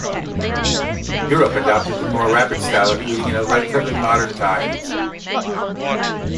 Europe adopted the more rapid style of eating in relatively modern times.